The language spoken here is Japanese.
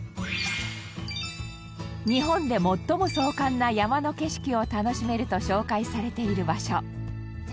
日本で最も壮観な山の景色を楽しめると紹介されている場所。